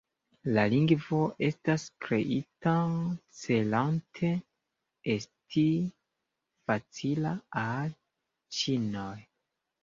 La lingvo estas kreita celante esti facila al ĉinoj.